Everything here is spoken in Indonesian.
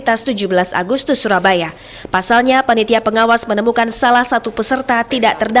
ia mengaku mendaftar ujian lewat online dan memiliki kartu tanda peserta sbm ptn dua ribu delapan belas